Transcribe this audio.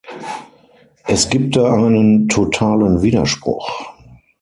Es gibt da einen totalen Widerspruch.